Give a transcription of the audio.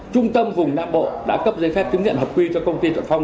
trung tâm vùng nam bộ đã cấp giấy phép chứng nhận hợp quy cho công ty thuận phong